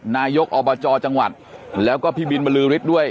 นายกอบจจังหวัดแล้วก็พี่บินบรือฤทธิ์ด้วย